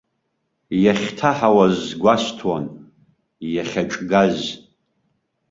Иахьҭаҳауаз гәасҭоит, иахьаҿгаз.